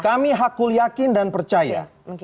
kami hakul yakin dan percaya